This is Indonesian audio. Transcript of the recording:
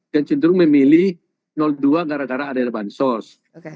yang cenderung memilih dua gara gara ada bansos